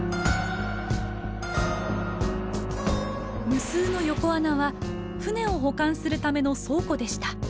無数の横穴は船を保管するための倉庫でした。